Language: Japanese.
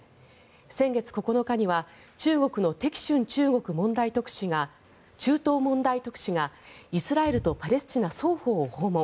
先月９日には中国のテキ・シュン中東問題担当特使がイスラエルとパレスチナ双方を訪問。